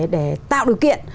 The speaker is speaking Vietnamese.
để tạo điều kiện